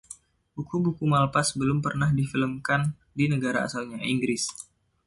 Buku-buku Malpass belum pernah difilmkan di negara asalnya, Inggris.